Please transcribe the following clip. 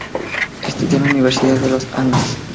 Estudió en la Universidad de los Andes.